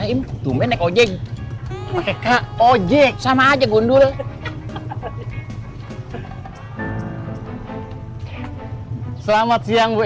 itu masih menunggu